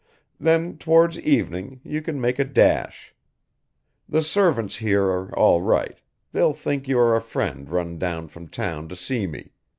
Then towards evening you can make a dash. The servants here are all right, they'll think you are a friend run down from town to see me.